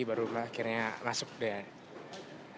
baru akhirnya masuk deh